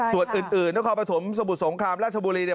ส่วนอื่นและความประถมสมุทรสงครามราชบุรีเนี่ย